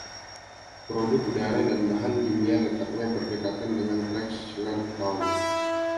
Produk Udara dan Bahan Kimia letaknya berdekatan dengan Trexlertown.